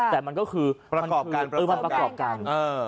แต่มันก็คือประกอบการมันประกอบการ